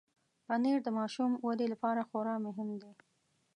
پنېر د ماشوم ودې لپاره خورا مهم دی.